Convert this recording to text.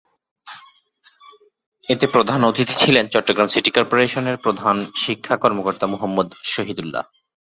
এতে প্রধান অতিথি ছিলেন চট্টগ্রাম সিটি করপোরেশনের প্রধান শিক্ষা কর্মকর্তা মুহম্মদ শহীদুল্লাহ।